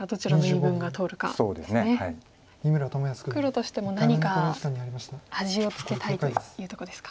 黒としても何か味をつけたいというとこですか。